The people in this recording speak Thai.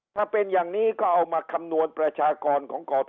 ถ้าเป็นอย่างนี้ก็เอามาคำนวณประชากรของกต